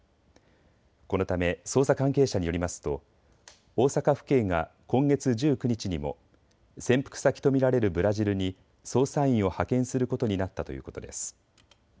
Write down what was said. このため捜査関係者によりますと大阪府警が今月１９日にも潜伏先と見られるブラジルに捜査員を派遣することになったということです。